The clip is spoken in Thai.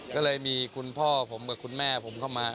ก็เลยมีคุณพ่อผมกับคุณแม่ผมเข้ามา